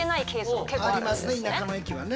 ありますね田舎の駅はね。